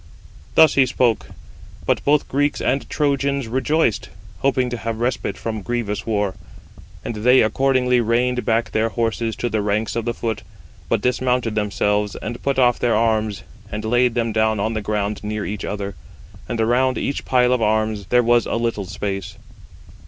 Thus he spoke. But both Greeks and Trojans rejoiced, hoping to have respite from grievous war. And they accordingly reined back their horses to the ranks [of the foot], but dismounted themselves, and put off their arms, and laid them down on the ground near each other; and around [each pile of arms] there was a little space.